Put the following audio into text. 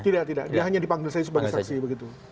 tidak tidak dia hanya dipanggil saya sebagai saksi begitu